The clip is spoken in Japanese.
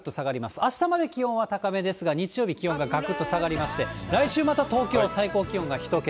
あしたまで気温は高めですが、日曜日、気温ががくっと下がりまして、来週、また東京は最高気温が１桁。